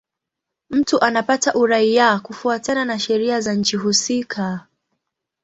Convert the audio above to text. Mtu anapata uraia kufuatana na sheria za nchi husika.